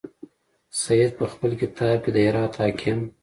سید په خپل کتاب کې د هرات حاکم.